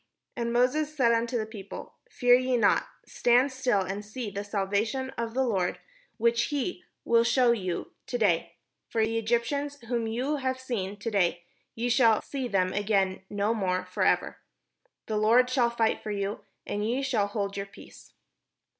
And Moses said unto the people: "Fear ye not, stand still, and see the salvation of the Lord, which he will 531 PALESTINE shew to you to day; for the Egyptians whom ye have seen to day, ye shall see them again no more forever. The Lord shall fight for you, and ye shall hold your peace."